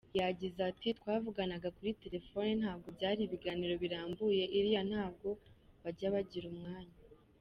Yagize ati “Twavuganaga kuri telefone, ntabwo byari ibiganiro birambuye, iriya ntabwo bajya bagira umwanya.